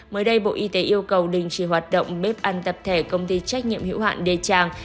mới đây bộ y tế yêu cầu đình chỉ hoạt động bếp ăn tập thể công ty trách nhiệm hiểu hạn đê trang